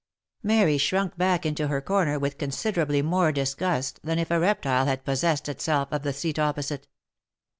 Mary shrunk back into her corner with considerably more disgust than if a reptile had possessed itself of the seat opposite.